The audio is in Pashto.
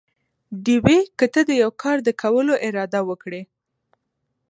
ډېوې!! که ته دې يوه کار د کولو اراده وکړي؟